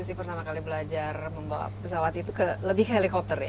bu susi pertama kali belajar membawa pesawat itu lebih ke helikopter ya